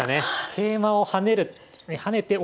桂馬を跳ねる。